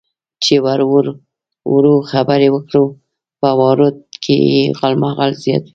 چې ورو ورو خبرې وکړو، په وارډ کې یې غالمغال زیات و.